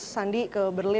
makanya saya melakukan hal ini